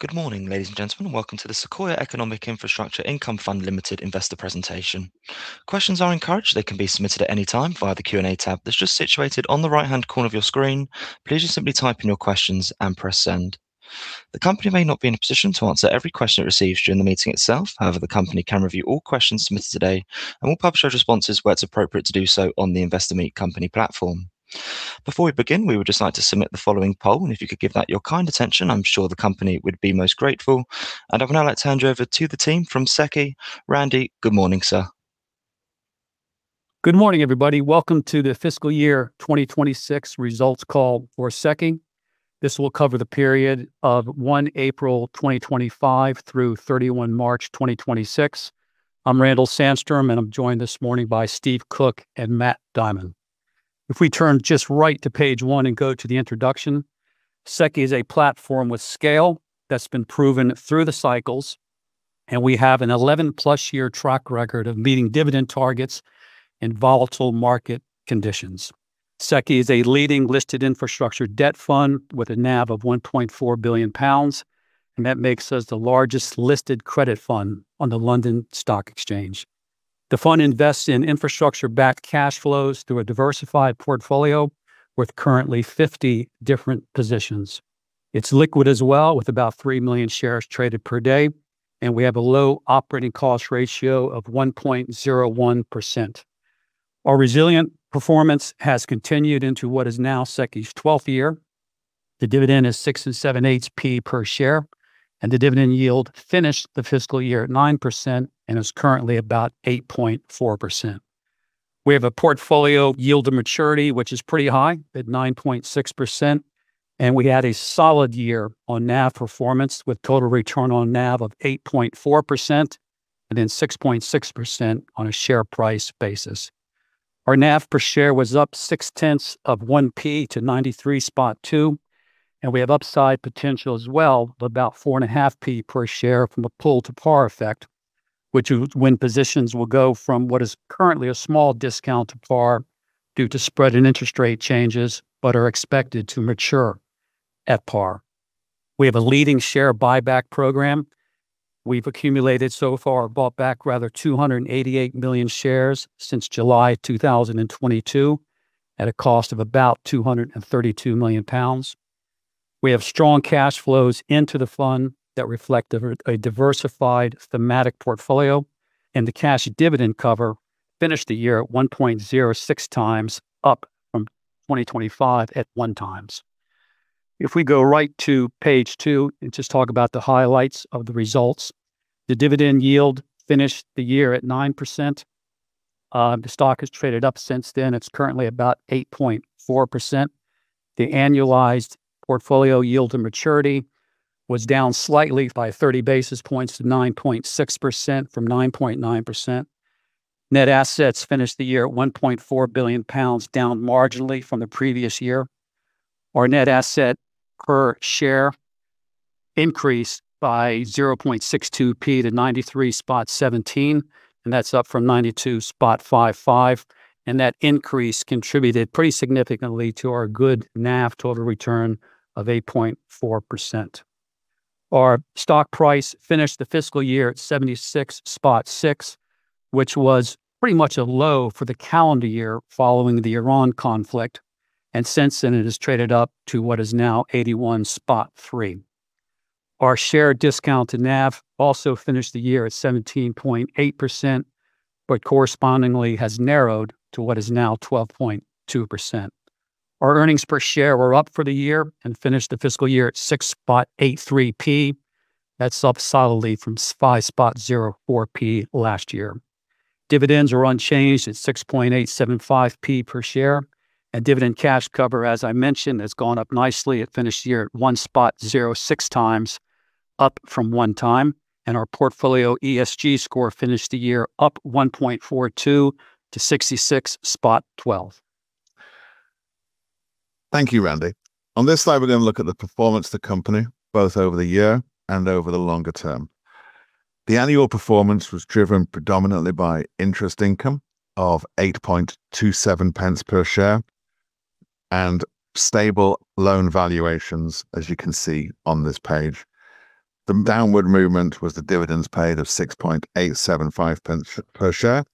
Good morning, ladies and gentlemen. Welcome to the Sequoia Economic Infrastructure Income Fund Limited investor presentation. Questions are encouraged. They can be submitted at any time via the Q&A tab that's just situated on the right-hand corner of your screen. Please just simply type in your questions and press send. The company may not be in a position to answer every question it receives during the meeting itself. However, the company can review all questions submitted today, and will publish our responses where it's appropriate to do so on the Investor Meet Company platform. Before we begin, we would just like to submit the following poll, if you could give that your kind attention, I'm sure the company would be most grateful. I'd now like to hand you over to the team from SEQI. Randy, good morning, sir. Good morning, everybody. Welcome to the fiscal year 2026 results call for SEQI. This will cover the period of April 1, 2025 through March 31, 2026. I'm Randall Sandstrom, I'm joined this morning by Steve Cook and Matt Dimond. If we turn just right to page one and go to the introduction, SEQI is a platform with scale that's been proven through the cycles, we have an 11-plus year track record of meeting dividend targets in volatile market conditions. SEQI is a leading listed infrastructure debt fund with a NAV of 1.4 billion pounds, that makes us the largest listed credit fund on the London Stock Exchange. The fund invests in infrastructure-backed cash flows through a diversified portfolio with currently 50 different positions. It's liquid as well, with about 3 million shares traded per day, we have a low operating cost ratio of 1.01%. Our resilient performance has continued into what is now SEQI's 12th year. The dividend is 0.06875 per share, the dividend yield finished the fiscal year at 9% and is currently about 8.4%. We have a portfolio yield to maturity, which is pretty high at 9.6%, we had a solid year on NAV performance with total return on NAV of 8.4%, then 6.6% on a share price basis. Our NAV per share was up 0.006 to 93.2, we have upside potential as well of about 0.045 per share from a pull to par effect, which is when positions will go from what is currently a small discount to par due to spread in interest rate changes, but are expected to mature at par. We have a leading share buyback program. We've accumulated so far, bought back rather, 288 million shares since July 2022 at a cost of about 232 million pounds. We have strong cash flows into the fund that reflect a diversified thematic portfolio, the cash dividend cover finished the year at 1.06 times up from 2025 at one times. If we go right to page two and just talk about the highlights of the results. The dividend yield finished the year at 9%. The stock has traded up since then. It's currently about 8.4%. The annualized portfolio yield to maturity was down slightly by 30 basis points to 9.6% from 9.9%. Net assets finished the year at 1.4 billion pounds, down marginally from the previous year. Our net asset per share increased by 0.0062 to 93.17, that's up from 92.55. That increase contributed pretty significantly to our good NAV total return of 8.4%. Our stock price finished the fiscal year at 76.6, which was pretty much a low for the calendar year following the Iran conflict, since then, it has traded up to what is now 81.3. Our share discount to NAV also finished the year at 17.8%, but correspondingly has narrowed to what is now 12.2%. Our earnings per share were up for the year and finished the fiscal year at 0.0683. That's up solidly from 0.0504 last year. Dividends are unchanged at 0.06875 per share. Dividend cash cover, as I mentioned, has gone up nicely. It finished the year at 1.06 times up from 1 time, and our portfolio ESG score finished the year up 1.42 to 66.12. Thank you, Randy. On this slide, we're going to look at the performance of the company both over the year and over the longer term. The annual performance was driven predominantly by interest income of 0.0827 per share and stable loan valuations, as you can see on this page. The downward movement was the dividends paid of 0.06875 per share.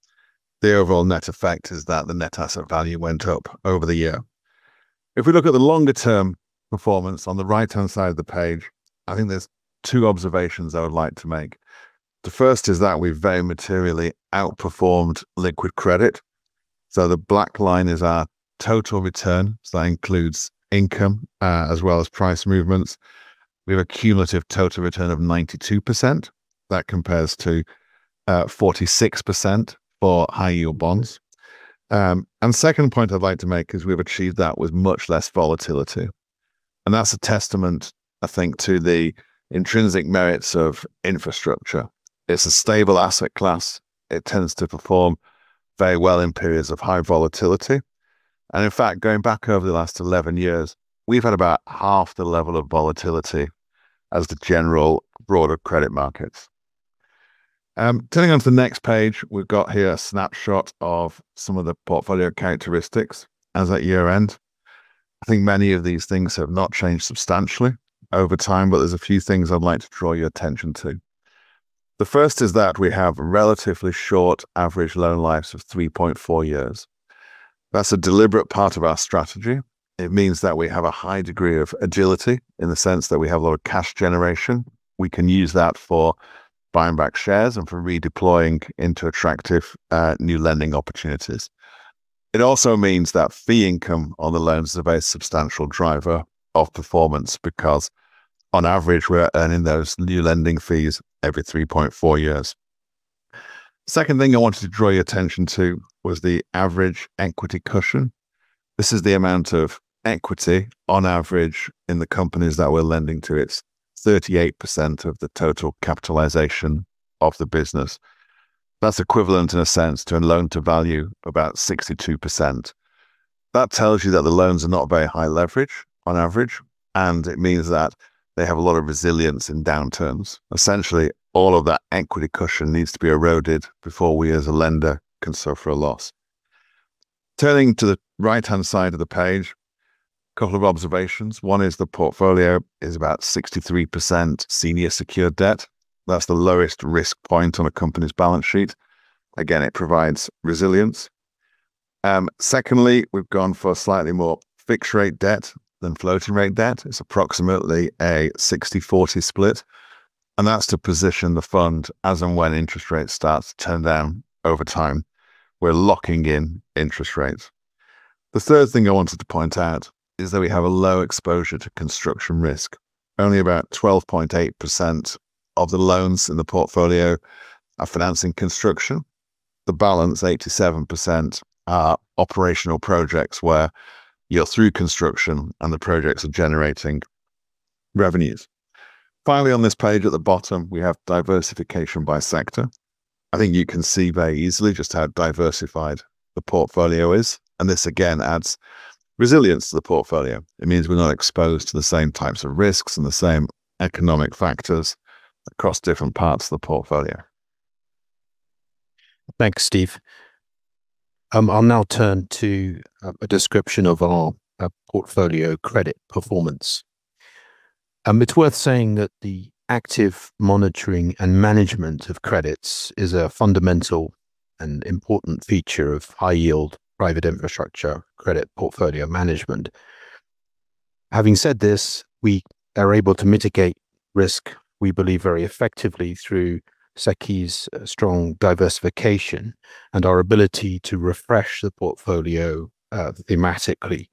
The overall net effect is that the net asset value went up over the year. If we look at the longer-term performance on the right-hand side of the page, I think there's two observations I would like to make. The first is that we've very materially outperformed liquid credit. The black line is our total return. That includes income, as well as price movements. We have a cumulative total return of 92%. That compares to 46% for high-yield bonds. Second point I'd like to make is we've achieved that with much less volatility. That's a testament, I think, to the intrinsic merits of infrastructure. It's a stable asset class. It tends to perform very well in periods of high volatility. In fact, going back over the last 11 years, we've had about half the level of volatility as the general broader credit markets. Turning onto the next page, we've got here a snapshot of some of the portfolio characteristics as at year-end. I think many of these things have not changed substantially over time, but there's a few things I'd like to draw your attention to. The first is that we have relatively short average loan lives of 3.4 years. That's a deliberate part of our strategy. It means that we have a high degree of agility in the sense that we have a lot of cash generation. We can use that for buying back shares and for redeploying into attractive new lending opportunities. It also means that fee income on the loans is a very substantial driver of performance, because on average, we're earning those new lending fees every 3.4 years. Second thing I wanted to draw your attention to was the average equity cushion. This is the amount of equity, on average, in the companies that we're lending to. It's 38% of the total capitalization of the business. That's equivalent, in a sense, to a loan-to-value of about 62%. That tells you that the loans are not very high leverage on average, and it means that they have a lot of resilience in downturns. Essentially, all of that equity cushion needs to be eroded before we, as a lender, can suffer a loss. Turning to the right-hand side of the page, couple of observations. One is the portfolio is about 63% senior secured debt. That's the lowest risk point on a company's balance sheet. Again, it provides resilience. Secondly, we've gone for slightly more fixed-rate debt than floating-rate debt. It's approximately a 60/40 split, and that's to position the fund as and when interest rates start to turn down over time. We're locking in interest rates. The third thing I wanted to point out is that we have a low exposure to construction risk. Only about 12.8% of the loans in the portfolio are financing construction. The balance, 87%, are operational projects where you're through construction and the projects are generating revenues. Finally, on this page at the bottom, we have diversification by sector. I think you can see very easily just how diversified the portfolio is. This, again, adds resilience to the portfolio. It means we're not exposed to the same types of risks and the same economic factors across different parts of the portfolio. Thanks, Steve. I'll now turn to a description of our portfolio credit performance. It's worth saying that the active monitoring and management of credits is a fundamental and important feature of high-yield private infrastructure credit portfolio management. Having said this, we are able to mitigate risk, we believe, very effectively through SEQI's strong diversification and our ability to refresh the portfolio thematically.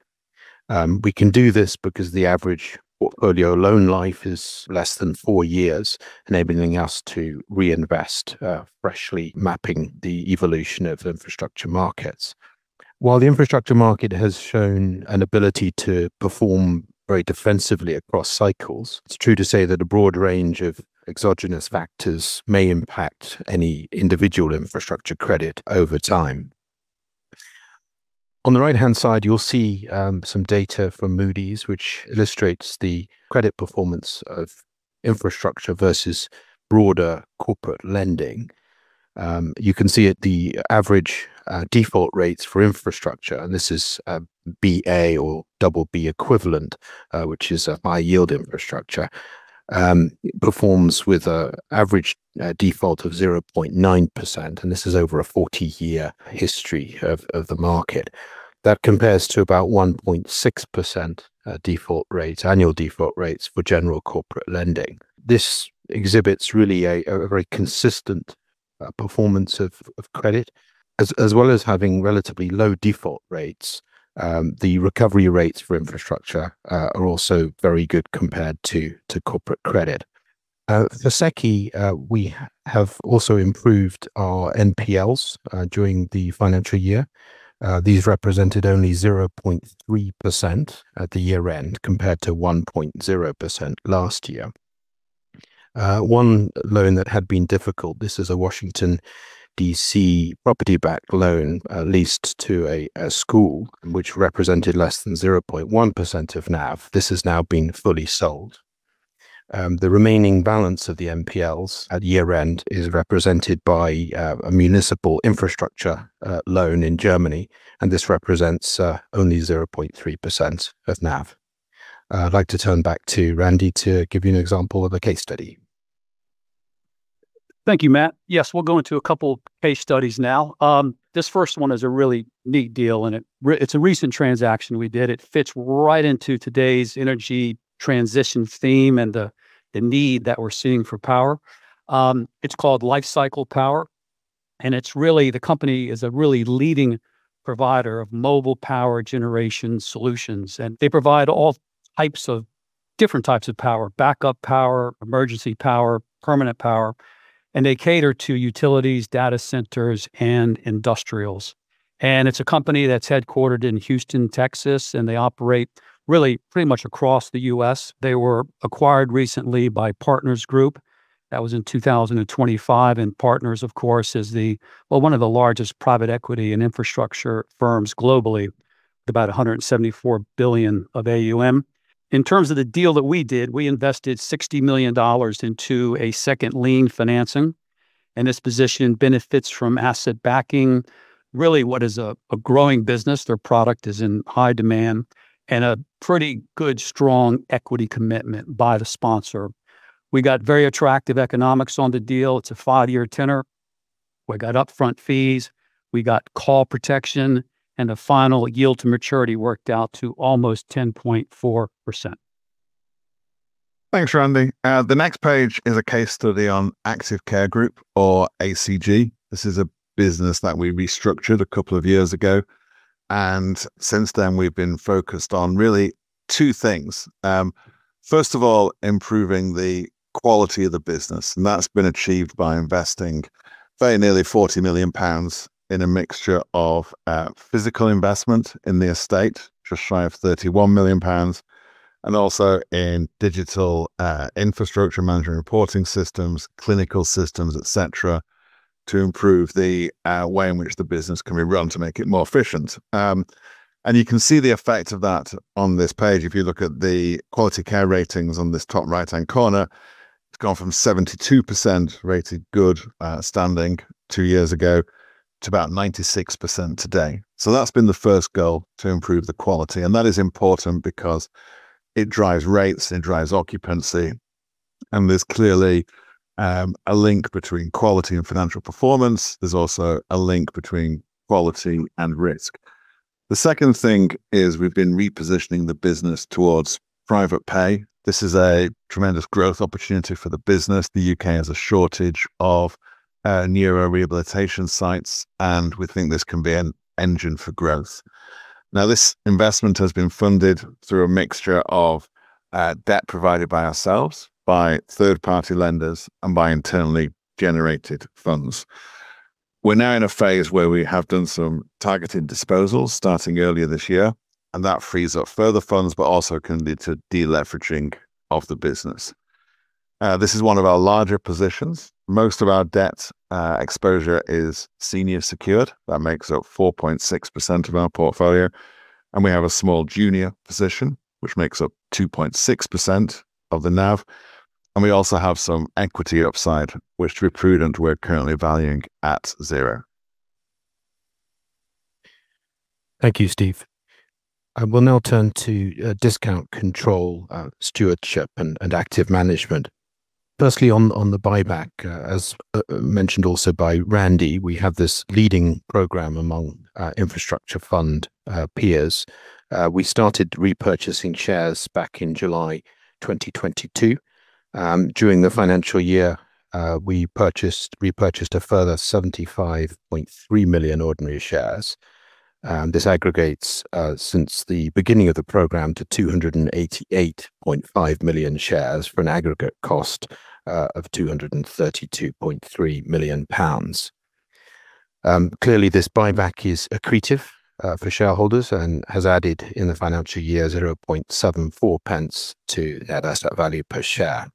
We can do this because the average portfolio loan life is less than four years, enabling us to reinvest, freshly mapping the evolution of infrastructure markets. While the infrastructure market has shown an ability to perform very defensively across cycles, it's true to say that a broad range of exogenous factors may impact any individual infrastructure credit over time. On the right-hand side, you'll see some data from Moody's, which illustrates the credit performance of infrastructure versus broader corporate lending. You can see that the average default rates for infrastructure, and this is a Ba or BB equivalent, which is a high-yield infrastructure, performs with an average default of 0.9%, and this is over a 40-year history of the market. That compares to about 1.6% annual default rates for general corporate lending. This exhibits really a very consistent performance of credit. As well as having relatively low default rates, the recovery rates for infrastructure are also very good compared to corporate credit. For SEQI, we have also improved our NPLs during the financial year. These represented only 0.3% at the year-end, compared to 1.0% last year. One loan that had been difficult, this is a Washington, D.C., property-backed loan leased to a school, which represented less than 0.1% of NAV. This has now been fully sold. The remaining balance of the NPLs at year-end is represented by a municipal infrastructure loan in Germany. This represents only 0.3% of NAV. I'd like to turn back to Randy to give you an example of a case study. Thank you, Matt. Yes, we'll go into a couple of case studies now. This first one is a really neat deal. It's a recent transaction we did. It fits right into today's energy transition theme and the need that we're seeing for power. It's called Life Cycle Power, and the company is a really leading provider of mobile power generation solutions. They provide all different types of power, backup power, emergency power, permanent power, and they cater to utilities, data centers, and industrials. It's a company that's headquartered in Houston, Texas, and they operate really pretty much across the U.S. They were acquired recently by Partners Group. That was in 2025, and Partners, of course, is one of the largest private equity and infrastructure firms globally, with about 174 billion of AUM. In terms of the deal that we did, we invested $60 million into a second-lien financing. This position benefits from asset backing, really what is a growing business, their product is in high demand, and a pretty good, strong equity commitment by the sponsor. We got very attractive economics on the deal. It's a five-year tenor. We got upfront fees. We got call protection. The final yield to maturity worked out to almost 10.4%. Thanks, Randy. The next page is a case study on Active Care Group or ACG. This is a business that we restructured a couple of years ago. Since then we've been focused on really two things. First of all, improving the quality of the business. That's been achieved by investing very nearly £40 million in a mixture of physical investment in the estate, just shy of £31 million. Also in digital infrastructure management reporting systems, clinical systems, et cetera, to improve the way in which the business can be run to make it more efficient. You can see the effect of that on this page. If you look at the quality care ratings on this top right-hand corner, it's gone from 72% rated good standing two years ago to about 96% today. That's been the first goal, to improve the quality. That is important because it drives rates. It drives occupancy. There's clearly a link between quality and financial performance. There's also a link between quality and risk. The second thing is we've been repositioning the business towards private pay. This is a tremendous growth opportunity for the business. The U.K. has a shortage of neurorehabilitation sites, and we think this can be an engine for growth. This investment has been funded through a mixture of debt provided by ourselves, by third-party lenders, and by internally generated funds. We're now in a phase where we have done some targeted disposals starting earlier this year, and that frees up further funds, but also can lead to deleveraging of the business. This is one of our larger positions. Most of our debt exposure is senior secured. That makes up 4.6% of our portfolio. We have a small junior position, which makes up 2.6% of the NAV. We also have some equity upside, which to be prudent, we're currently valuing at zero. Thank you, Steve. I will now turn to discount control, stewardship, and active management. Firstly, on the buyback, as mentioned also by Randy, we have this leading program among infrastructure fund peers. We started repurchasing shares back in July 2022. During the financial year, we repurchased a further 75.3 million ordinary shares. This aggregates since the beginning of the program to 288.5 million shares for an aggregate cost of 232.3 million pounds. Clearly, this buyback is accretive for shareholders and has added in the financial year 0.0074 to net asset value per share.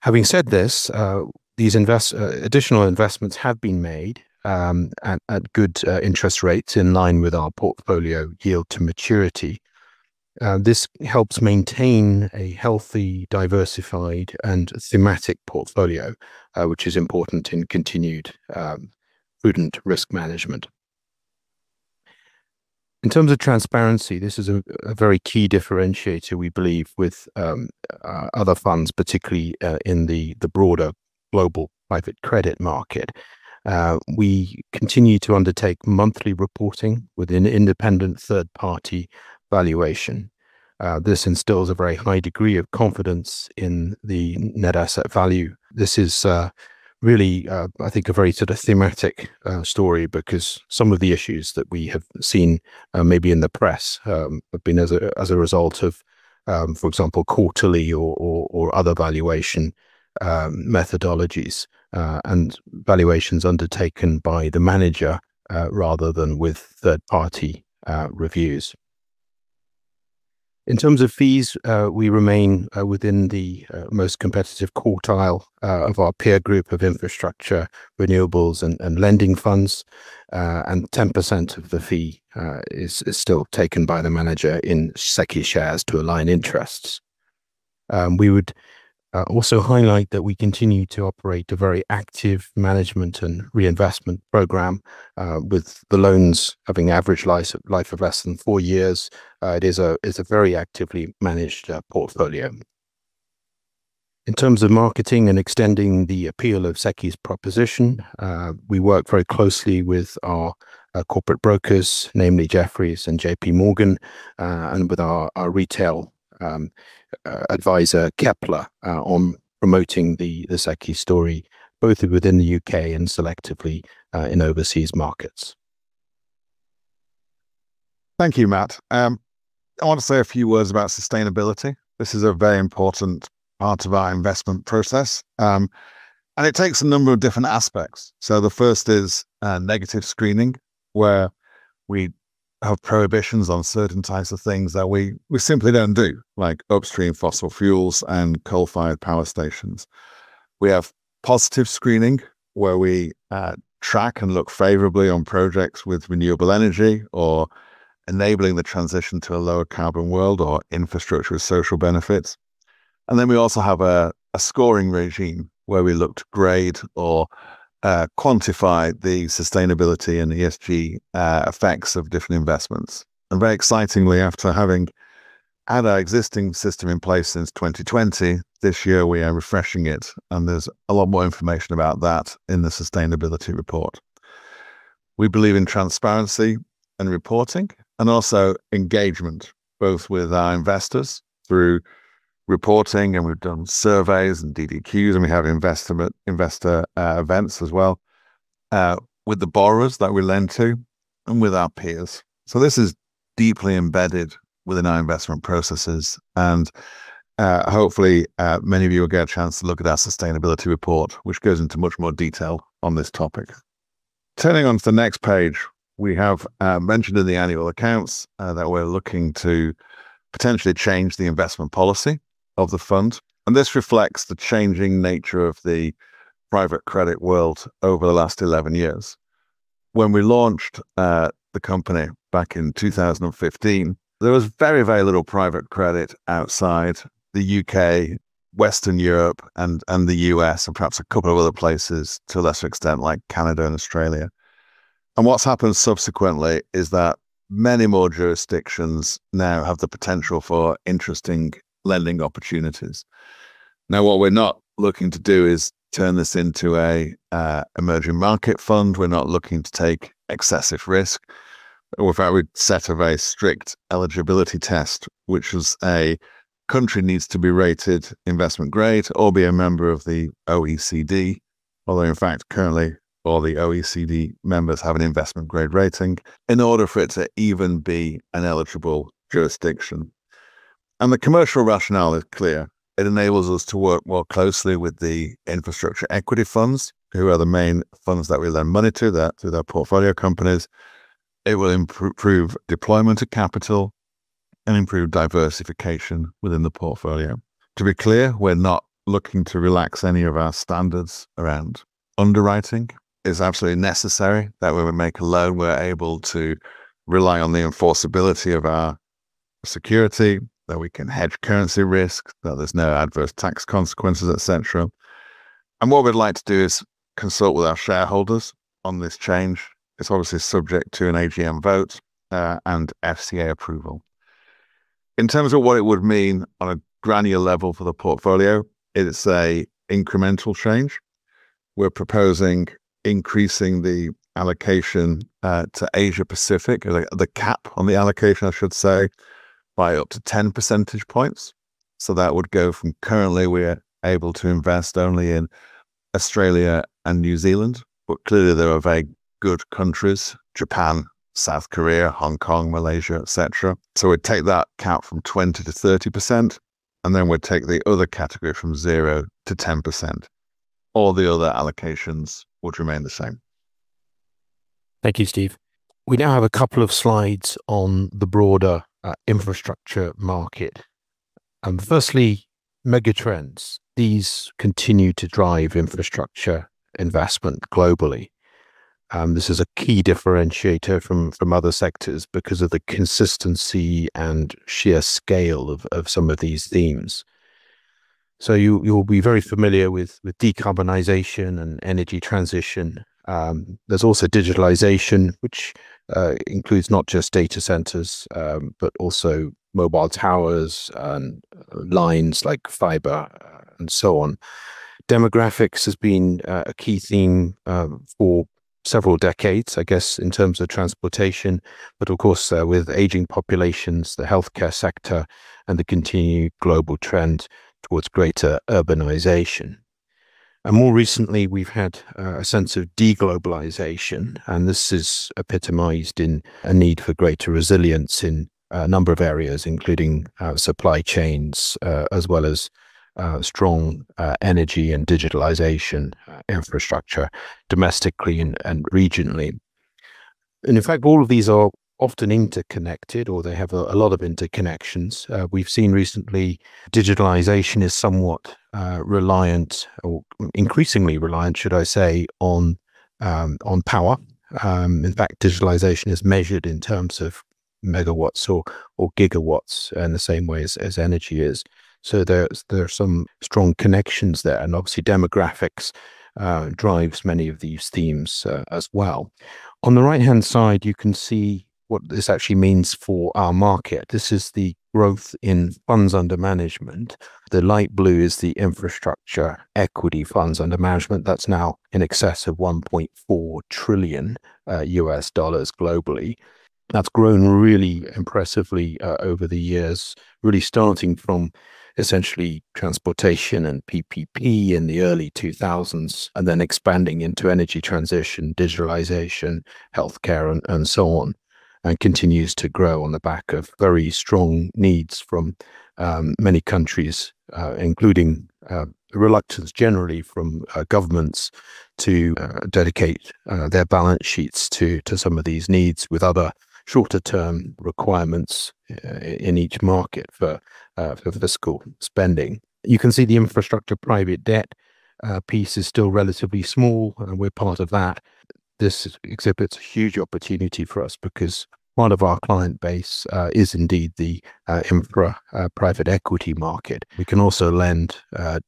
Having said this, these additional investments have been made at good interest rates in line with our portfolio yield to maturity. This helps maintain a healthy, diversified, and thematic portfolio, which is important in continued prudent risk management. In terms of transparency, this is a very key differentiator we believe with other funds, particularly in the broader global private credit market. We continue to undertake monthly reporting with an independent third-party valuation. This instills a very high degree of confidence in the net asset value. This is really, I think, a very thematic story because some of the issues that we have seen maybe in the press have been as a result of, for example, quarterly or other valuation methodologies, and valuations undertaken by the manager rather than with third-party reviews. In terms of fees, we remain within the most competitive quartile of our peer group of infrastructure, renewables, and lending funds. 10% of the fee is still taken by the manager in SEQI shares to align interests. We would also highlight that we continue to operate a very active management and reinvestment program with the loans having average life of less than four years. It is a very actively managed portfolio. In terms of marketing and extending the appeal of SEQI's proposition, we work very closely with our corporate brokers, namely Jefferies and JPMorgan, and with our retail advisor, Kepler, on promoting the SEQI story, both within the U.K. and selectively in overseas markets. Thank you, Matt. I want to say a few words about sustainability. This is a very important part of our investment process. It takes a number of different aspects. The first is negative screening, where we have prohibitions on certain types of things that we simply don't do, like upstream fossil fuels and coal-fired power stations. We have positive screening where we track and look favorably on projects with renewable energy or enabling the transition to a lower carbon world or infrastructure with social benefits. Then we also have a scoring regime where we look to grade or quantify the sustainability and ESG effects of different investments. Very excitingly, after having had our existing system in place since 2020, this year we are refreshing it, and there's a lot more information about that in the sustainability report. We believe in transparency and reporting and also engagement, both with our investors through reporting, and we've done surveys and DDQs, and we have investor events as well, with the borrowers that we lend to, and with our peers. This is deeply embedded within our investment processes, and hopefully, many of you will get a chance to look at our sustainability report, which goes into much more detail on this topic. Turning onto the next page, we have mentioned in the annual accounts that we're looking to potentially change the investment policy of the fund, and this reflects the changing nature of the private credit world over the last 11 years. When we launched the company back in 2015, there was very, very little private credit outside the U.K., Western Europe, and the U.S., and perhaps a couple of other places to a lesser extent, like Canada and Australia. What's happened subsequently is that many more jurisdictions now have the potential for interesting lending opportunities. What we're not looking to do is turn this into an emerging market fund. We're not looking to take excessive risk. In fact, we've set a very strict eligibility test, which is a country needs to be rated investment-grade or be a member of the OECD. Although, in fact, currently all the OECD members have an investment-grade rating in order for it to even be an eligible jurisdiction. The commercial rationale is clear. It enables us to work more closely with the infrastructure equity funds, who are the main funds that we lend money to through their portfolio companies. It will improve deployment of capital and improve diversification within the portfolio. To be clear, we're not looking to relax any of our standards around underwriting. It's absolutely necessary that when we make a loan, we're able to rely on the enforceability of our security, that we can hedge currency risk, that there's no adverse tax consequences, et cetera. What we'd like to do is consult with our shareholders on this change. It's obviously subject to an AGM vote and FCA approval. In terms of what it would mean on a granular level for the portfolio, it is an incremental change. We're proposing increasing the allocation to Asia Pacific, the cap on the allocation, I should say, by up to 10 percentage points. That would go from currently we're able to invest only in Australia and New Zealand, but clearly there are very good countries, Japan, South Korea, Hong Kong, Malaysia, et cetera. We'd take that cap from 20% to 30%, and then we'd take the other category from 0% to 10%. All the other allocations would remain the same. Thank you, Steve. We now have a couple of slides on the broader infrastructure market. Firstly, megatrends. These continue to drive infrastructure investment globally. This is a key differentiator from other sectors because of the consistency and sheer scale of some of these themes. You'll be very familiar with decarbonization and energy transition. There's also digitalization, which includes not just data centers, but also mobile towers and lines like fiber and so on. Demographics has been a key theme for several decades, I guess, in terms of transportation, but of course, with aging populations, the healthcare sector, and the continued global trend towards greater urbanization. More recently, we've had a sense of de-globalization, and this is epitomized in a need for greater resilience in a number of areas, including supply chains, as well as strong energy and digitalization infrastructure domestically and regionally. In fact, all of these are often interconnected, or they have a lot of interconnections. We've seen recently digitalization is somewhat reliant, or increasingly reliant should I say, on power. In fact, digitalization is measured in terms of megawatts or gigawatts in the same way as energy is. There are some strong connections there. Obviously, demographics drives many of these themes as well. On the right-hand side, you can see what this actually means for our market. This is the growth in funds under management. The light blue is the infrastructure equity funds under management. That's now in excess of GBP 1.4 trillion globally. That's grown really impressively over the years, really starting from essentially transportation and PPP in the early 2000s, and then expanding into energy transition, digitalization, healthcare, and so on, and continues to grow on the back of very strong needs from many countries, including a reluctance generally from governments to dedicate their balance sheets to some of these needs with other shorter-term requirements in each market for fiscal spending. You can see the infrastructure private debt piece is still relatively small, and we're part of that. This exhibits a huge opportunity for us because part of our client base is indeed the infra private equity market. We can also lend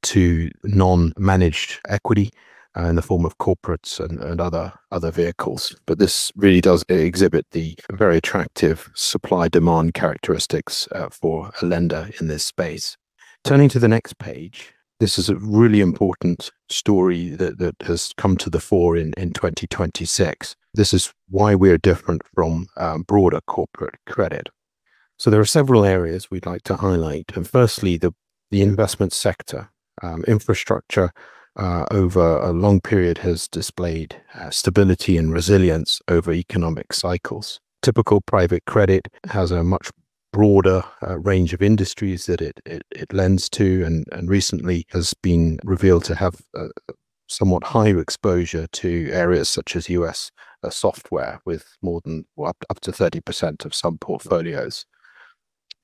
to non-managed equity in the form of corporates and other vehicles. This really does exhibit the very attractive supply-demand characteristics for a lender in this space. Turning to the next page, this is a really important story that has come to the fore in 2026. This is why we're different from broader corporate credit. There are several areas we'd like to highlight, and firstly, the investment sector. Infrastructure over a long period has displayed stability and resilience over economic cycles. Typical private credit has a much broader range of industries that it lends to and recently has been revealed to have a somewhat higher exposure to areas such as U.S. software, with more than up to 30% of some portfolios.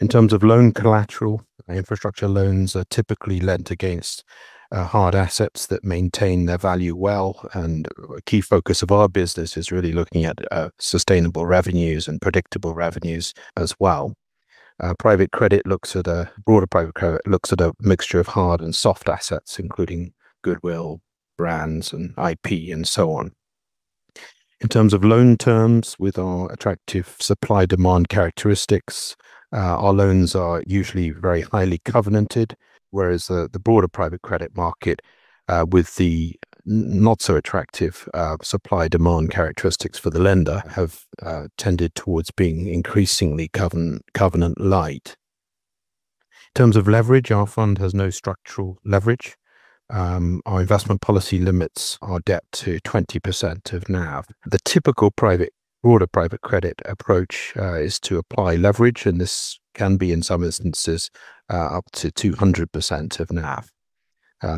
In terms of loan collateral, infrastructure loans are typically lent against hard assets that maintain their value well, and a key focus of our business is really looking at sustainable revenues and predictable revenues as well. Broader private credit looks at a mixture of hard and soft assets, including goodwill, brands, and IP and so on. In terms of loan terms, with our attractive supply-demand characteristics, our loans are usually very highly covenanted, whereas the broader private credit market, with the not so attractive supply-demand characteristics for the lender, have tended towards being increasingly covenant-light. In terms of leverage, our fund has no structural leverage. Our investment policy limits our debt to 20% of NAV. The typical broader private credit approach is to apply leverage, and this can be, in some instances, up to 200% of NAV.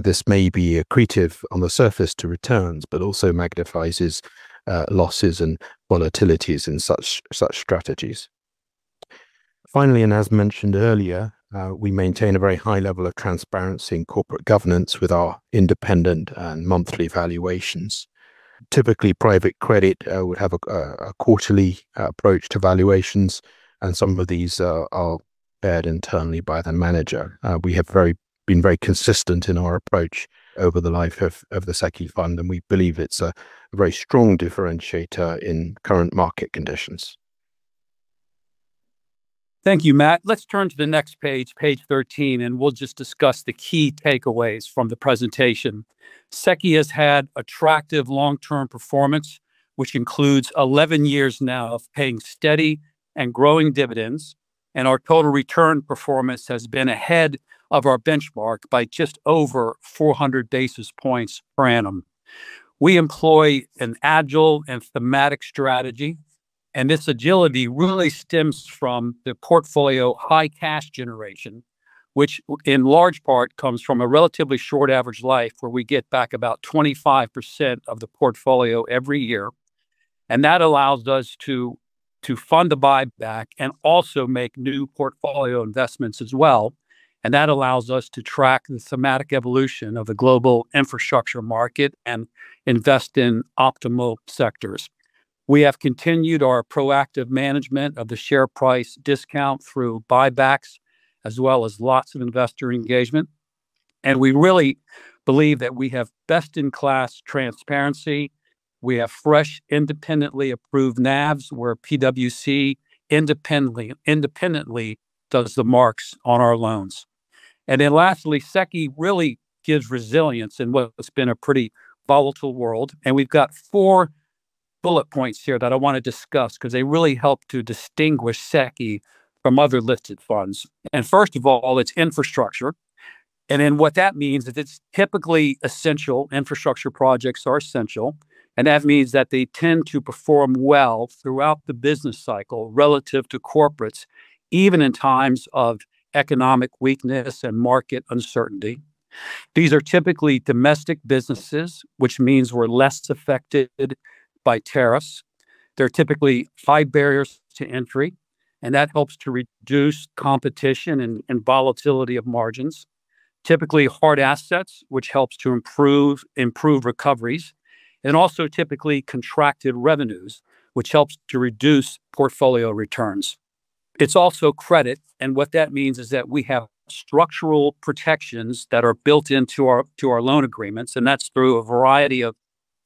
This may be accretive on the surface to returns, but also magnifies losses and volatilities in such strategies. Finally, and as mentioned earlier, we maintain a very high level of transparency in corporate governance with our independent and monthly valuations. Typically, private credit would have a quarterly approach to valuations, and some of these are prepared internally by the manager. We have been very consistent in our approach over the life of the SEQI fund, and we believe it's a very strong differentiator in current market conditions. Thank you, Matt. Let's turn to the next page 13, we'll just discuss the key takeaways from the presentation. SEQI has had attractive long-term performance, which includes 11 years now of paying steady and growing dividends, our total return performance has been ahead of our benchmark by just over 400 basis points per annum. We employ an agile and thematic strategy, this agility really stems from the portfolio high cash generation, which in large part comes from a relatively short average life where we get back about 25% of the portfolio every year. That allows us to fund the buyback and also make new portfolio investments as well, that allows us to track the thematic evolution of the global infrastructure market and invest in optimal sectors. We have continued our proactive management of the share price discount through buybacks, as well as lots of investor engagement. We really believe that we have best-in-class transparency. We have fresh, independently approved NAVs, where PwC independently does the marks on our loans. Lastly, SEQI really gives resilience in what has been a pretty volatile world. We've got four bullet points here that I want to discuss because they really help to distinguish SEQI from other listed funds. First of all, it's infrastructure, what that means is it's typically essential. Infrastructure projects are essential, that means that they tend to perform well throughout the business cycle relative to corporates, even in times of economic weakness and market uncertainty. These are typically domestic businesses, which means we're less affected by tariffs. There are typically high barriers to entry, that helps to reduce competition and volatility of margins. Typically hard assets, which helps to improve recoveries, typically contracted revenues, which helps to reduce portfolio returns. It's also credit, what that means is that we have structural protections that are built into our loan agreements, that's through a variety of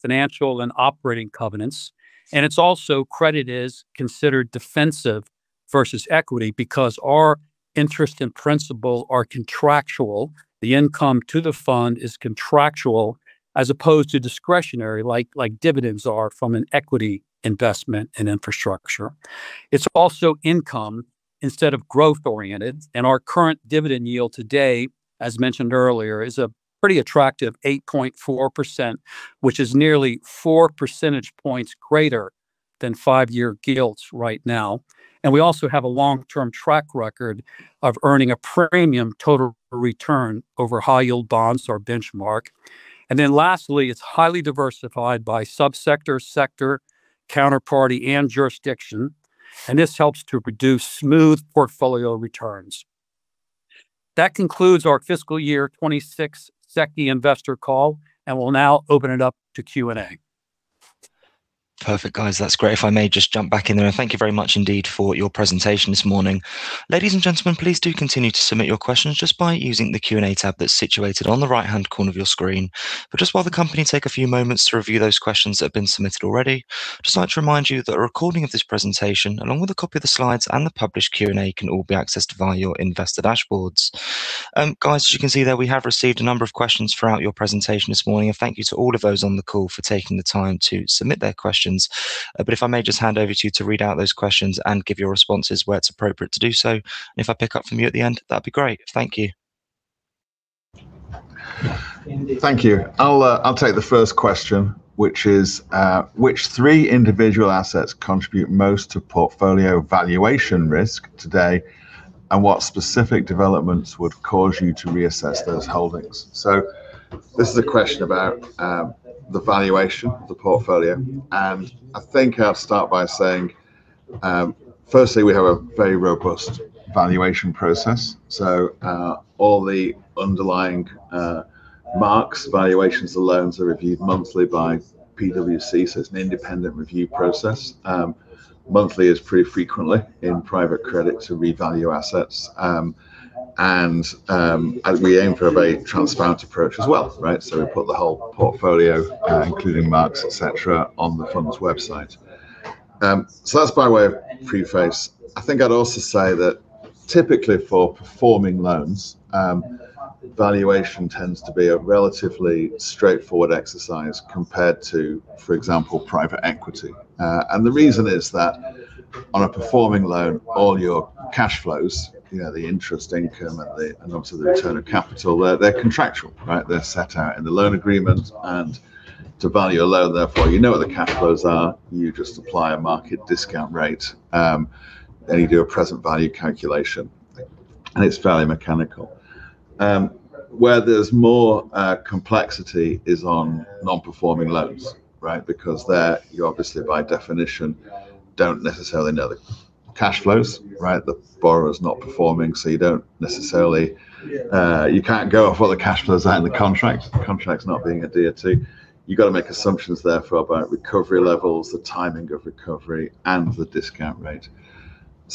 financial and operating covenants. It's also credit is considered defensive versus equity because our interest and principal are contractual. The income to the fund is contractual as opposed to discretionary, like dividends are from an equity investment in infrastructure. It's also income instead of growth-oriented, our current dividend yield today, as mentioned earlier, is a pretty attractive 8.4%, which is nearly four percentage points greater than five-year gilts right now. We also have a long-term track record of earning a premium total return over high-yield bonds, our benchmark. Lastly, it's highly diversified by sub-sector, sector, counterparty, jurisdiction, this helps to produce smooth portfolio returns. That concludes our fiscal year 26 SEQI investor call, we'll now open it up to Q&A. Perfect, guys. That's great. If I may just jump back in there, thank you very much indeed for your presentation this morning. Ladies and gentlemen, please do continue to submit your questions just by using the Q&A tab that's situated on the right-hand corner of your screen. Just while the company take a few moments to review those questions that have been submitted already, just like to remind you that a recording of this presentation, along with a copy of the slides and the published Q&A, can all be accessed via your investor dashboards. Guys, as you can see there, we have received a number of questions throughout your presentation this morning. Thank you to all of those on the call for taking the time to submit their questions. If I may just hand over to you to read out those questions and give your responses where it's appropriate to do so. If I pick up from you at the end, that'd be great. Thank you. Thank you. I'll take the first question, which is, which three individual assets contribute most to portfolio valuation risk today? What specific developments would cause you to reassess those holdings? This is a question about the valuation of the portfolio. I think I'll start by saying, firstly, we have a very robust valuation process. All the underlying marks, valuations of loans are reviewed monthly by PwC, so it's an independent review process. Monthly is pretty frequently in private credit to revalue assets. We aim for a very transparent approach as well, right? We put the whole portfolio, including marks, et cetera, on the fund's website. That's by way of preface. I think I'd also say that typically for performing loans, valuation tends to be a relatively straightforward exercise compared to, for example, private equity. The reason is that on a performing loan, all your cash flows, the interest income and obviously the return of capital, they're contractual, right? They're set out in the loan agreement. To value a loan, therefore, you know what the cash flows are. You just apply a market discount rate, then you do a present value calculation, and it's fairly mechanical. Where there's more complexity is on non-performing loans, right? There, you obviously by definition, don't necessarily know the cash flows, right? The borrower's not performing, so you can't go off what the cash flows are in the contract. The contract's not being adhered to. You've got to make assumptions therefore about recovery levels, the timing of recovery, and the discount rate.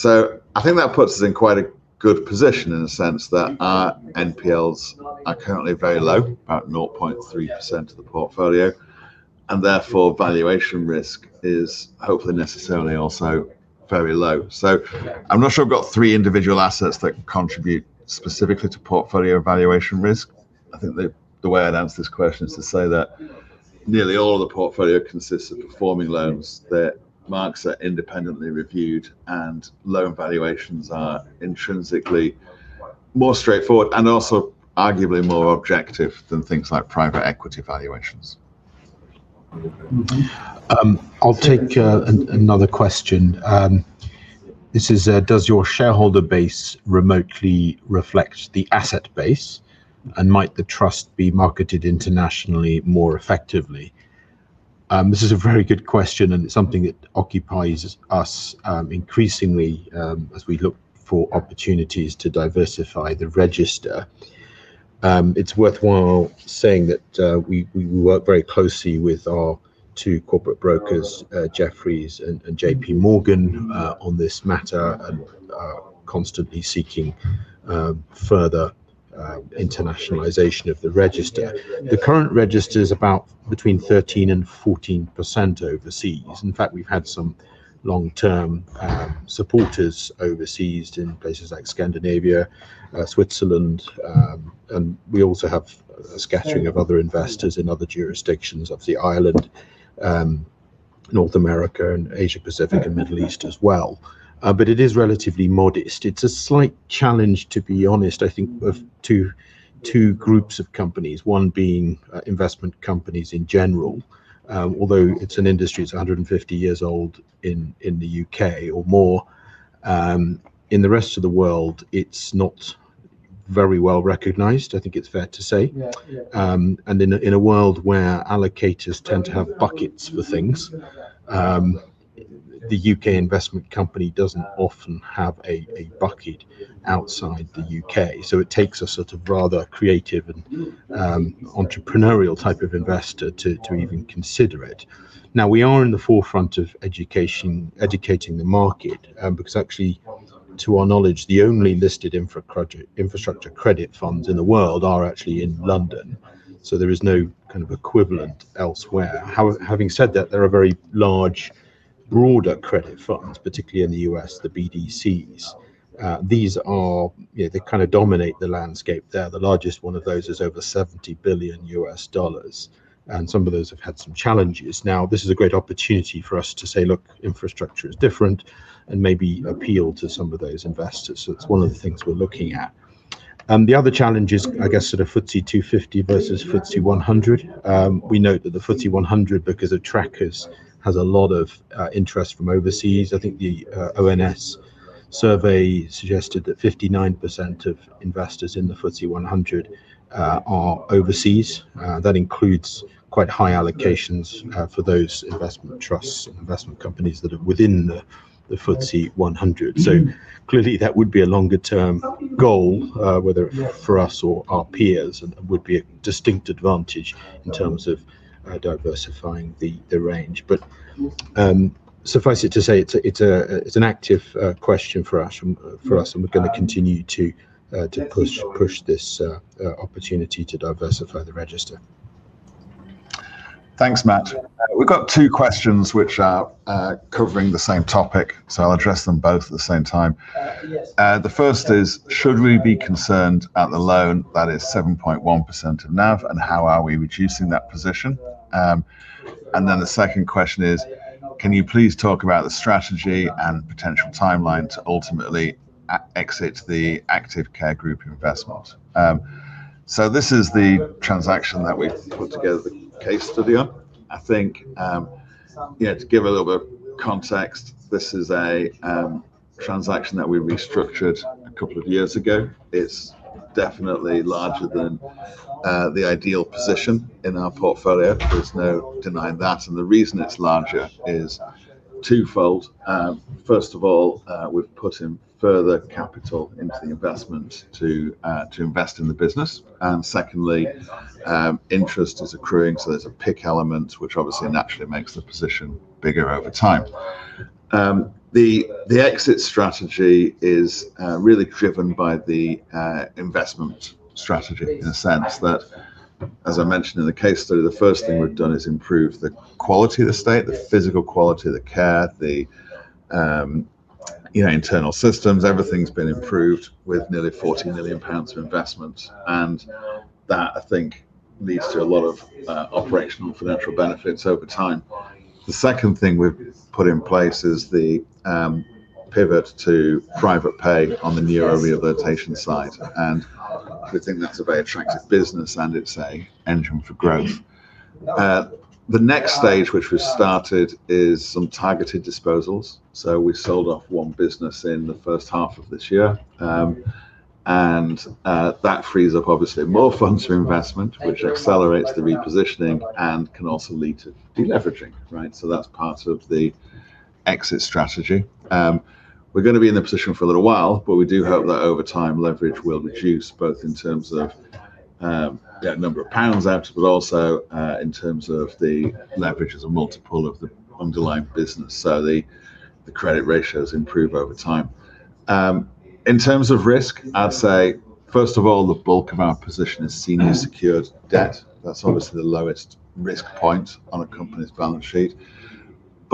I think that puts us in quite a good position in the sense that our NPLs are currently very low, about 0.3% of the portfolio, therefore valuation risk is hopefully necessarily also very low. I'm not sure I've got three individual assets that contribute specifically to portfolio valuation risk. I think the way I'd answer this question is to say that nearly all of the portfolio consists of performing loans. Their marks are independently reviewed, and loan valuations are intrinsically more straightforward and also arguably more objective than things like private equity valuations. I'll take another question. This is, does your shareholder base remotely reflect the asset base? Might the trust be marketed internationally more effectively? This is a very good question, and it's something that occupies us increasingly as we look for opportunities to diversify the register. It's worthwhile saying that we work very closely with our two corporate brokers, Jefferies and JPMorgan, on this matter and are constantly seeking further internationalization of the register. The current register is about between 13%-14% overseas. We've had some long-term supporters overseas in places like Scandinavia, Switzerland, and we also have a scattering of other investors in other jurisdictions of the island, North America, and Asia-Pacific and Middle East as well. It is relatively modest. It's a slight challenge, to be honest, I think of two groups of companies, one being investment companies in general. Although it's an industry that's 150 years old in the U.K. or more, in the rest of the world, it's not very well-recognized, I think it's fair to say. In a world where allocators tend to have buckets for things, the U.K. investment company doesn't often have a bucket outside the U.K. It takes a sort of rather creative and entrepreneurial type of investor to even consider it. We are in the forefront of educating the market, because actually, to our knowledge, the only listed infrastructure credit funds in the world are actually in London. There is no kind of equivalent elsewhere. Having said that, there are very large, broader credit funds, particularly in the U.S., the BDCs. They kind of dominate the landscape there. The largest one of those is over $70 billion, and some of those have had some challenges. This is a great opportunity for us to say, look, infrastructure is different, and maybe appeal to some of those investors. It's one of the things we're looking at. The other challenge is, I guess, sort of FTSE 250 versus FTSE 100. We note that the FTSE 100, because of trackers, has a lot of interest from overseas. I think the ONS survey suggested that 59% of investors in the FTSE 100 are overseas. That includes quite high allocations for those investment trusts and investment companies that are within the FTSE 100. Clearly, that would be a longer-term goal, whether for us or our peers, and would be a distinct advantage in terms of diversifying the range. Suffice it to say, it's an active question for us, and we're going to continue to push this opportunity to diversify the register. Thanks, Matt. We've got two questions which are covering the same topic, so I'll address them both at the same time. Yes. The first is, should we be concerned at the loan that is 7.1% of NAV, and how are we reducing that position? The second question is, can you please talk about the strategy and potential timeline to ultimately exit the Active Care Group investment? This is the transaction that we've put together the case study on. I think, to give a little bit of context, this is a transaction that we restructured a couple of years ago. It's definitely larger than the ideal position in our portfolio. There's no denying that. The reason it's larger is twofold. First of all, we've put in further capital into the investment to invest in the business. Secondly, interest is accruing, so there's a PIK element, which obviously naturally makes the position bigger over time. The exit strategy is really driven by the investment strategy in the sense that, as I mentioned in the case study, the first thing we've done is improve the quality of the estate, the physical quality of the care, the internal systems. Everything's been improved with nearly 40 million pounds of investment. That, I think, leads to a lot of operational and financial benefits over time. The second thing we've put in place is the pivot to private pay on the neurorehabilitation side. We think that's a very attractive business, and it's an engine for growth. The next stage, which we've started, is some targeted disposals. We sold off one business in the first half of this year. That frees up, obviously, more funds for investment, which accelerates the repositioning and can also lead to de-leveraging. That's part of the exit strategy. We're going to be in the position for a little while, but we do hope that over time, leverage will reduce, both in terms of net number of pounds out, but also in terms of the leverage as a multiple of the underlying business. The credit ratios improve over time. In terms of risk, I'd say, first of all, the bulk of our position is senior secured debt. That's obviously the lowest risk point on a company's balance sheet.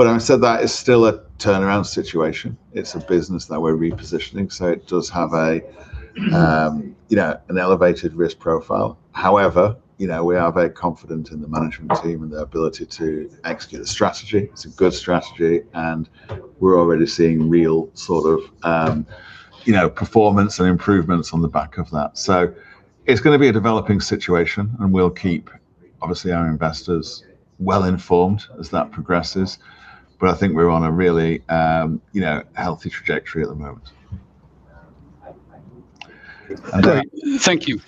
Having said that, it's still a turnaround situation. It's a business that we're repositioning, so it does have an elevated risk profile. However, we are very confident in the management team and their ability to execute a strategy. It's a good strategy, and we're already seeing real performance and improvements on the back of that. It's going to be a developing situation, and we'll keep, obviously, our investors well-informed as that progresses. I think we're on a really healthy trajectory at the moment. Thank you.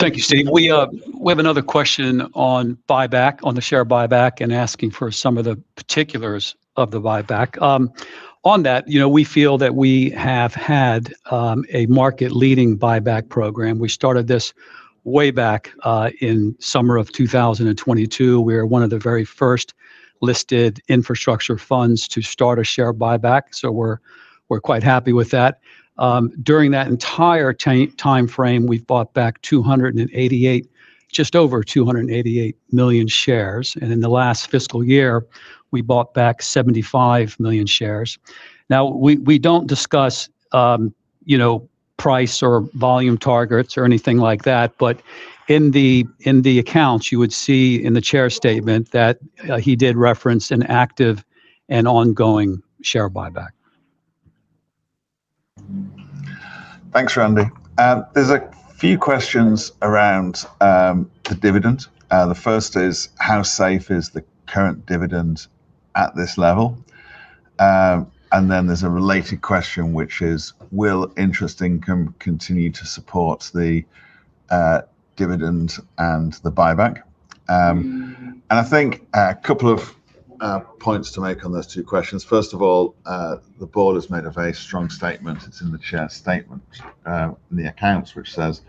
Thank you, Steve. We have another question on buyback, on the share buyback, and asking for some of the particulars of the buyback. On that, we feel that we have had a market-leading buyback program. We started this way back in summer of 2022. We are one of the very first listed infrastructure funds to start a share buyback. We're quite happy with that. During that entire timeframe, we've bought back just over 288 million shares. In the last fiscal year, we bought back 75 million shares. Now, we don't discuss price or volume targets or anything like that. In the accounts, you would see in the chair's statement that he did reference an active and ongoing share buyback. Thanks, Randy. There's a few questions around the dividend. The first is, how safe is the current dividend at this level? Then there's a related question, which is, will interest income continue to support the dividend and the buyback? I think a couple of points to make on those two questions. First of all, the board has made a very strong statement. It's in the chair's statement in the accounts, which says,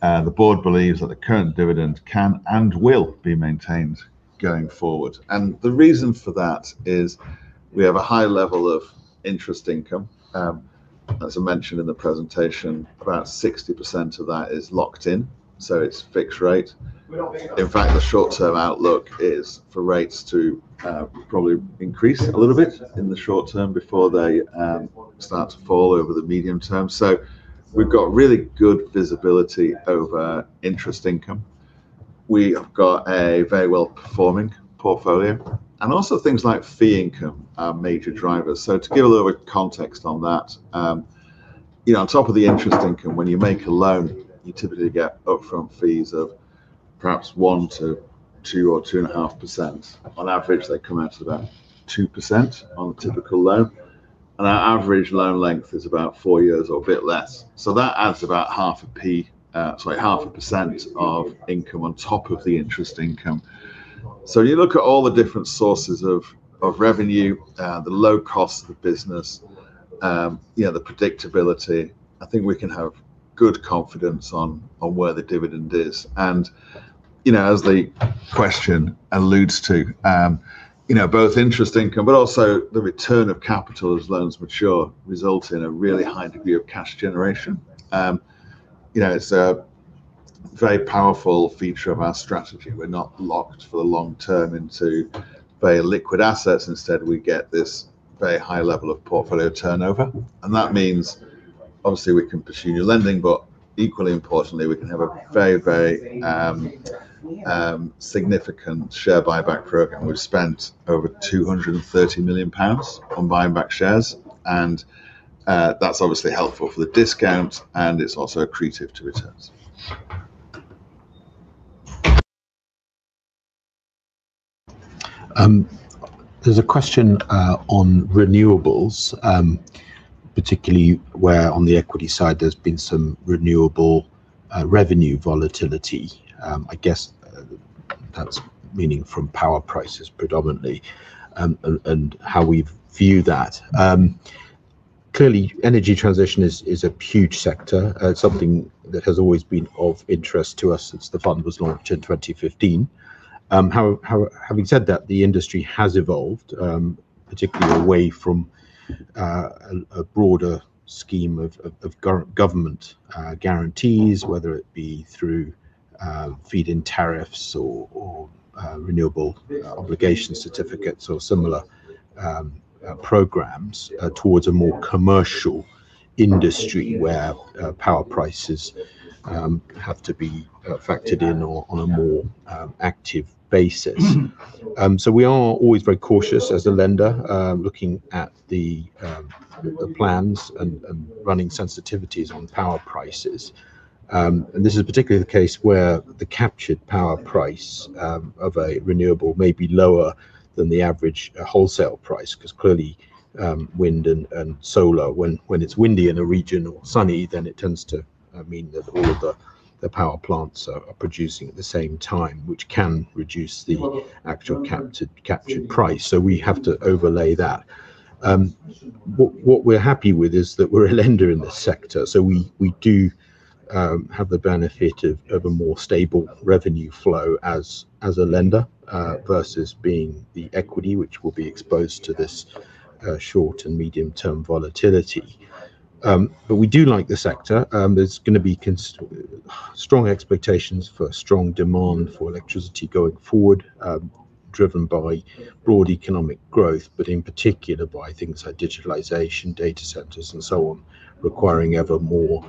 "The board believes that the current dividend can and will be maintained going forward." The reason for that is we have a high level of interest income. As I mentioned in the presentation, about 60% of that is locked in, so it's fixed rate. In fact, the short-term outlook is for rates to probably increase a little bit in the short term before they start to fall over the medium term. We've got really good visibility over interest income. We have got a very well-performing portfolio, and also things like fee income are major drivers. To give a little bit of context on that. On top of the interest income, when you make a loan, you typically get upfront fees of perhaps 1%-2% or 2.5%. On average, they come out to about 2% on a typical loan. Our average loan length is about four years or a bit less. That adds about half a percent of income on top of the interest income. You look at all the different sources of revenue, the low cost of the business, the predictability. I think we can have good confidence on where the dividend is. As the question alludes to, both interest income, but also the return of capital as loans mature, result in a really high degree of cash generation. It's a very powerful feature of our strategy. We're not locked for the long term into very liquid assets. Instead, we get this very high level of portfolio turnover. That means obviously we can pursue new lending, but equally importantly, we can have a very significant share buyback program. We've spent over 230 million pounds on buying back shares, and that's obviously helpful for the discount, and it's also accretive to returns. There's a question on renewables, particularly where on the equity side there's been some renewable revenue volatility. I guess that's meaning from power prices predominantly, and how we view that. Clearly, energy transition is a huge sector. It's something that has always been of interest to us since the fund was launched in 2015. Having said that, the industry has evolved, particularly away from a broader scheme of government guarantees, whether it be through feed-in tariffs or Renewable Obligation Certificates or similar programs, towards a more commercial industry where power prices have to be factored in or on a more active basis. We are always very cautious as a lender, looking at the plans and running sensitivities on power prices. This is particularly the case where the captured power price of a renewable may be lower than the average wholesale price, because clearly wind and solar, when it's windy in a region or sunny, then it tends to mean that all of the power plants are producing at the same time, which can reduce the actual captured price. We have to overlay that. What we're happy with is that we're a lender in this sector, so we do have the benefit of a more stable revenue flow as a lender versus being the equity, which will be exposed to this short and medium-term volatility. We do like the sector. There's going to be strong expectations for strong demand for electricity going forward, driven by broad economic growth, but in particular by things like digitalization, data centers, and so on, requiring ever more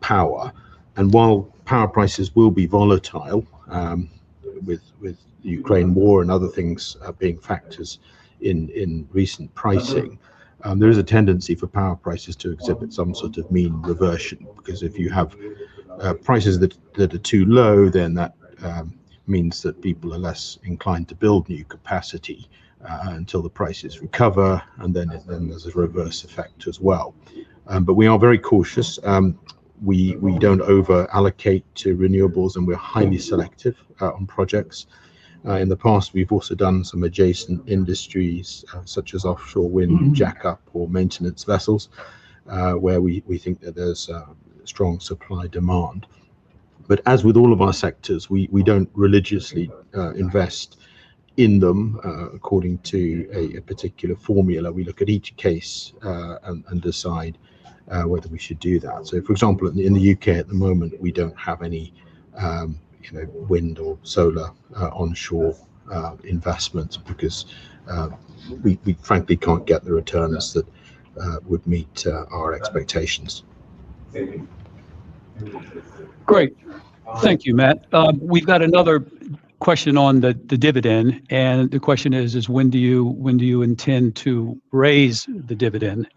power. While power prices will be volatile, with the Ukraine war and other things being factors in recent pricing, there is a tendency for power prices to exhibit some sort of mean reversion, because if you have prices that are too low, then that means that people are less inclined to build new capacity until the prices recover, and then there's a reverse effect as well. We are very cautious. We don't over-allocate to renewables, and we're highly selective on projects. In the past, we've also done some adjacent industries, such as offshore wind jack-up or maintenance vessels, where we think that there's a strong supply-demand. As with all of our sectors, we don't religiously invest in them according to a particular formula. We look at each case and decide whether we should do that. For example, in the U.K. at the moment, we don't have any wind or solar onshore investments because we frankly can't get the returns that would meet our expectations. Great. Thank you, Matt. We've got another question on the dividend, and the question is: when do you intend to raise the dividend?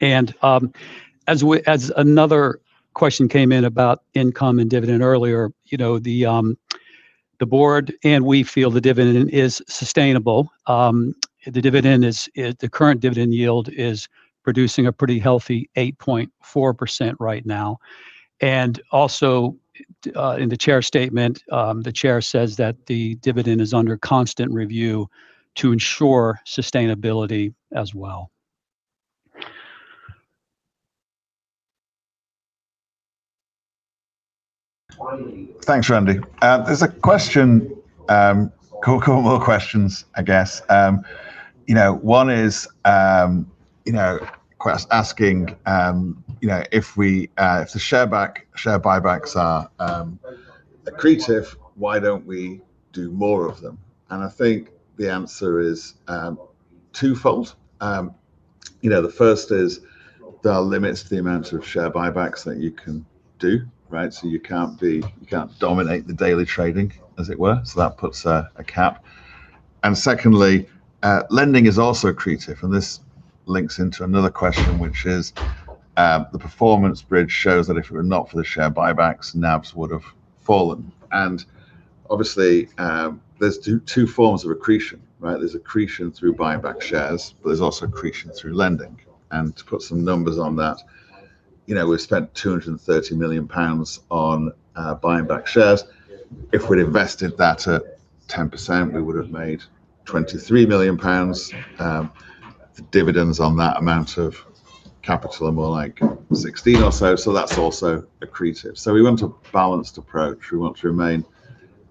As another question came in about income and dividend earlier, the board and we feel the dividend is sustainable. The current dividend yield is producing a pretty healthy 8.4% right now. Also, in the chair's statement, the chair says that the dividend is under constant review to ensure sustainability as well. Thanks, Randy. There's a couple more questions, I guess. One is asking, if the share buybacks are accretive, why don't we do more of them? I think the answer is twofold. The first is there are limits to the amount of share buybacks that you can do. You can't dominate the daily trading, as it were. That puts a cap. Secondly, lending is also accretive, and this links into another question, which is the performance bridge shows that if it were not for the share buybacks, NAVs would have fallen. Obviously, there's two forms of accretion, right? There's accretion through buying back shares, but there's also accretion through lending. To put some numbers on that, we've spent 230 million pounds on buying back shares. If we'd invested that at 10%, we would have made 23 million pounds. The dividends on that amount of capital are more like 16 million or so, that's also accretive. We want a balanced approach. We want to remain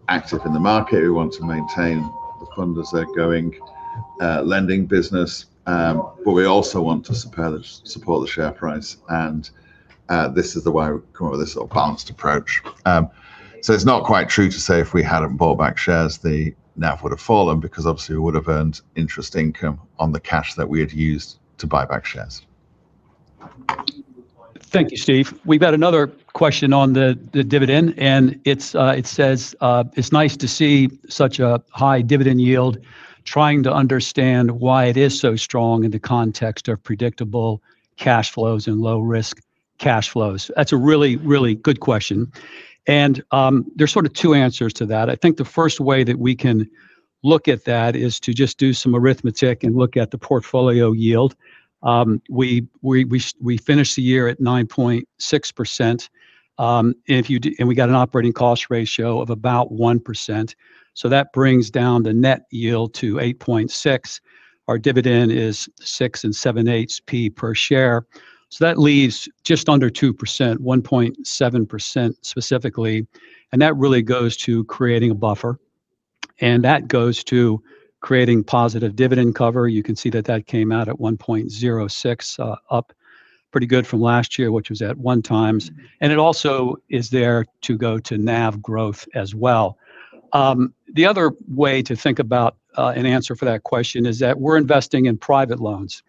active in the market. We want to maintain the fund as our going lending business, but we also want to support the share price, and this is why we've come up with this balanced approach. It's not quite true to say if we hadn't bought back shares, the NAV would have fallen, because obviously we would have earned interest income on the cash that we had used to buy back shares. Thank you, Steve. We've had another question on the dividend. It says: It's nice to see such a high dividend yield, trying to understand why it is so strong in the context of predictable cash flows and low-risk cash flows. That's a really good question. There's sort of two answers to that. I think the first way that we can look at that is to just do some arithmetic and look at the portfolio yield. We finished the year at 9.6%, and we got an operating cost ratio of about 1%. That brings down the net yield to 8.6%. Our dividend is six and seven-eighths P per share. That leaves just under 2%, 1.7% specifically. That really goes to creating a buffer. That goes to creating positive dividend cover. You can see that that came out at 1.06, up pretty good from last year, which was at 1 times. It also is there to go to NAV growth as well. The other way to think about an answer for that question is that we're investing in private loans.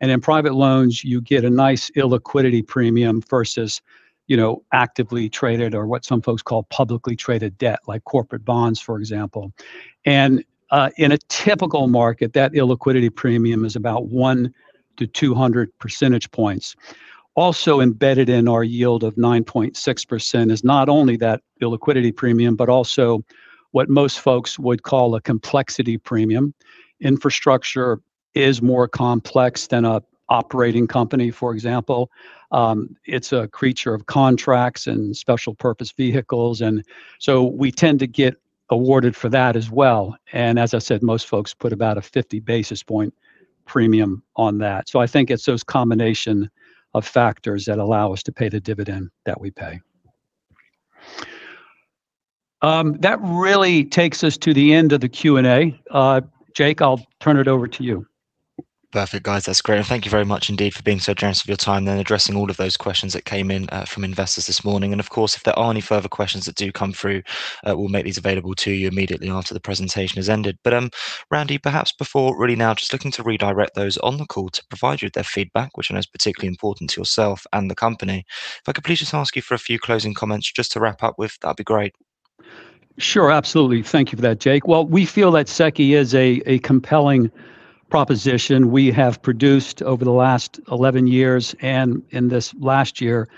In private loans, you get a nice illiquidity premium versus actively traded or what some folks call publicly traded debt, like corporate bonds, for example. In a typical market, that illiquidity premium is about 1 to 200 percentage points. Also embedded in our yield of 9.6% is not only that illiquidity premium, but also what most folks would call a complexity premium. Infrastructure is more complex than an operating company, for example. It's a creature of contracts and special purpose vehicles, we tend to get awarded for that as well. As I said, most folks put about a 50 basis point premium on that. I think it's those combination of factors that allow us to pay the dividend that we pay. That really takes us to the end of the Q&A. Jake, I'll turn it over to you. Perfect, guys. That's great. Thank you very much indeed for being so generous with your time and addressing all of those questions that came in from investors this morning. Of course, if there are any further questions that do come through, we'll make these available to you immediately after the presentation has ended. Randy, perhaps before, really now, just looking to redirect those on the call to provide you with their feedback, which I know is particularly important to yourself and the company. If I could please just ask you for a few closing comments just to wrap up with, that'd be great. Sure, absolutely. Thank you for that, Jake. Well, we feel that SEQI is a compelling proposition. We have produced over the last 11 years and in this last year,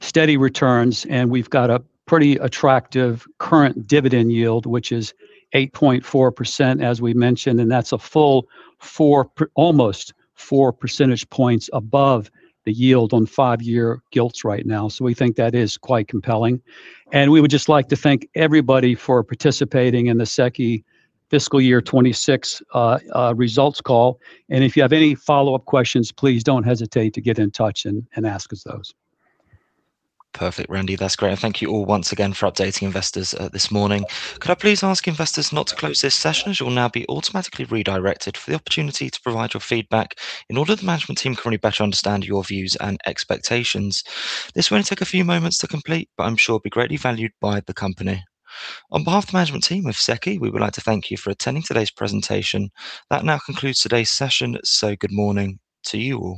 steady returns, and we've got a pretty attractive current dividend yield, which is 8.4%, as we mentioned, and that's a full four, almost four percentage points above the yield on five-year gilts right now. We think that is quite compelling. We would just like to thank everybody for participating in the SEQI fiscal year 2026 results call. If you have any follow-up questions, please don't hesitate to get in touch and ask us those. Perfect, Randy. That's great. Thank you all once again for updating investors this morning. Could I please ask investors not to close this session, as you will now be automatically redirected for the opportunity to provide your feedback in order the management team can really better understand your views and expectations. This will only take a few moments to complete, but I'm sure it will be greatly valued by the company. On behalf of the management team of SEQI, we would like to thank you for attending today's presentation. That now concludes today's session, good morning to you all.